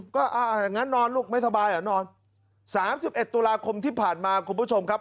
ก็อย่างนั้นนอนลูกไม่สบายเหรอนอน๓๑ตุลาคมที่ผ่านมาคุณผู้ชมครับ